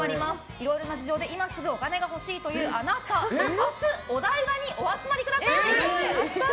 いろいろな事情で今すぐお金が欲しいというあなた明日、お台場にお集まりください！